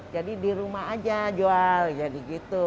jadi di rumah aja jual jadi gitu